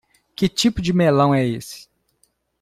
Que tipo de melão é esse?